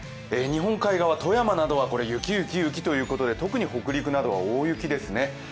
日本海側、富山などは雪、雪、雪ということで特に北陸などは大雪ですね。